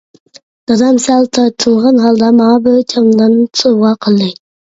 دادام سەل تارتىنغان ھالدا ماڭا بىر چامادان سوۋغا قىلدى.